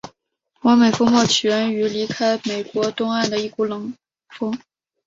完美风暴起源于离开美国东岸的一股冷锋。